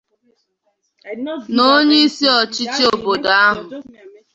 na onyeisi ọchịchị obodo ahụ